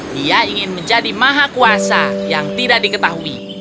dia ingin menjadi maha kuasa yang tidak diketahui